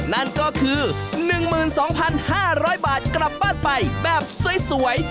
นั่นก็คือ๑๒๕๐๐บาทกลับบ้านไปแบบสวย